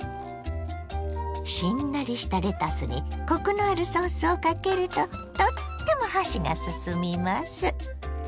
しんなりしたレタスにコクのあるソースをかけるととっても箸がすすみます。